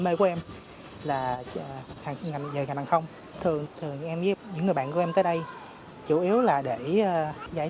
mê bay là ngành hàng không thường em với những người bạn của em tới đây chủ yếu là để giải